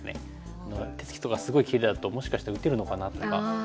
手つきとかすごいきれいだともしかして打てるのかな？とか。